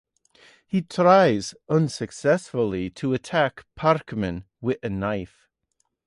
He tries, unsuccessfully, to attack Parmen with a knife.